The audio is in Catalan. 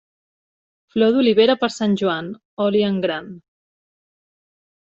Flor d'olivera per Sant Joan, oli en gran.